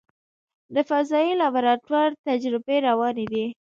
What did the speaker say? د فضایي لابراتوار تجربې روانې دي.